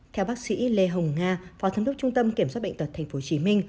theo bác sĩ lê hồng nga phó thống đốc trung tâm kiểm soát bệnh tật tp hcm